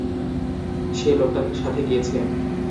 সে লোকটার সাথে গিয়েছে।